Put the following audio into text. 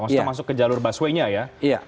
maksudnya masuk ke jalur busway nya ya